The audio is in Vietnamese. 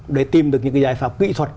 để tìm được những cái giải pháp kỹ thuật